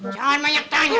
jangan banyak tanya